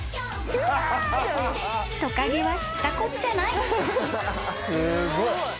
［トカゲは知ったこっちゃない］